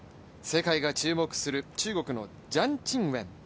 世界が注目する中国のジャン・チンウェン。